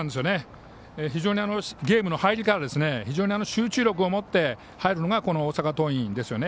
非常にゲームの入りから集中力を持って入るのがこの大阪桐蔭ですね。